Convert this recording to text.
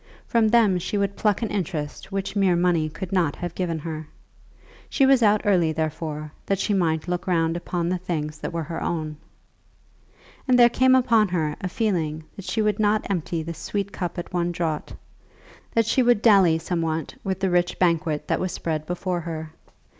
From them she would pluck an interest which mere money could not have given her. She was out early, therefore, that she might look round upon the things that were her own. And there came upon her a feeling that she would not empty this sweet cup at one draught, that she would dally somewhat with the rich banquet that was spread for her.